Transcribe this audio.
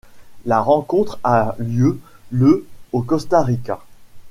La rencontre a lieu le au Costa Rica.